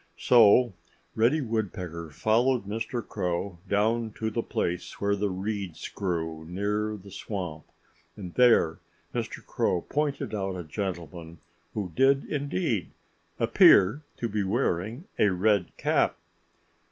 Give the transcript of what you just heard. So Reddy Woodpecker followed Mr. Crow down to the place where the reeds grew, near the swamp. And there Mr. Crow pointed out a gentleman who did indeed appear to be wearing a red cap.